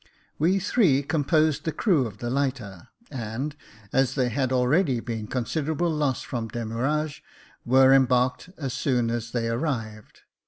We three composed the crew of the lighter •, and, as there had already been considerable loss from demurrage, were embarked as soon as they arrived.